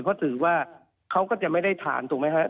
เพราะถือว่าเขาก็จะไม่ได้ฐานถูกไหมครับ